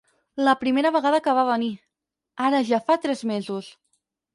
La primera vegada que va venir, ara ja fa tres mesos.